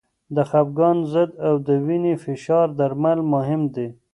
د خپګان ضد او د وینې فشار درمل مهم دي.